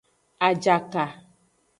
Ajaka.